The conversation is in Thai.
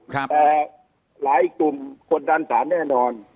แต่หลายกลุ่มกดดันสารแน่นอน